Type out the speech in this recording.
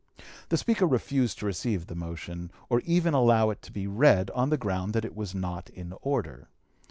The Speaker refused to receive the motion, or even allow it to be read, on the ground that it was not in order.